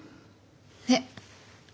えっ。